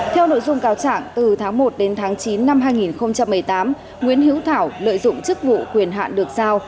theo nội dung cao trạng từ tháng một đến tháng chín năm hai nghìn một mươi tám nguyễn hữu thảo lợi dụng chức vụ quyền hạn được giao